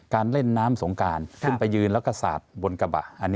เล่นน้ำสงการขึ้นไปยืนแล้วก็สาดบนกระบะ